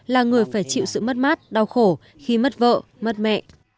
là người phải chịu sự mất mát đau khổ khi mất vợ mất mẹ